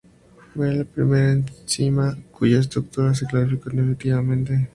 Fue la primera enzima cuya estructura se clarificó definitivamente.